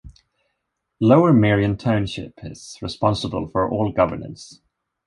Lower Merion Township is responsible for all governance.